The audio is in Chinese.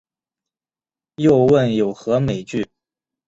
又问有何美句？